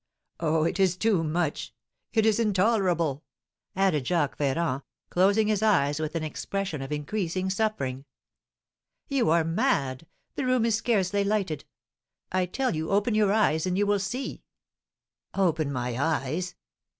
Oh, it is too much; it is intolerable!" added Jacques Ferrand, closing his eyes with an expression of increasing suffering. "You are mad the room is scarcely lighted. I tell you, open your eyes and you will see." "Open my eyes!